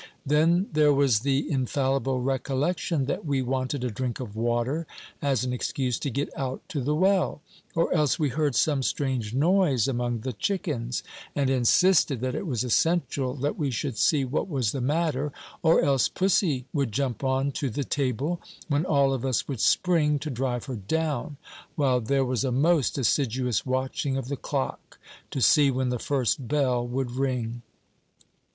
Then there was the infallible recollection that we wanted a drink of water, as an excuse to get out to the well; or else we heard some strange noise among the chickens, and insisted that it was essential that we should see what was the matter; or else pussy would jump on to the table, when all of us would spring to drive her down; while there was a most assiduous watching of the clock to see when the first bell would ring.